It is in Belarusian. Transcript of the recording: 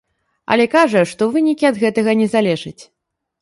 Але кажа, што вынікі ад гэтага не залежаць.